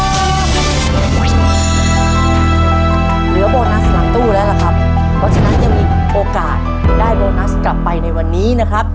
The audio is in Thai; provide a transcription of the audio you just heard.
เหลือโบนัสหลังตู้แล้วล่ะครับเพราะฉะนั้นยังมีโอกาสได้โบนัสกลับไปในวันนี้นะครับ